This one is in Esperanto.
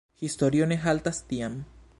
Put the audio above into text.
Historio ne haltas tiam.